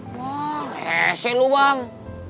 wah rese lo bang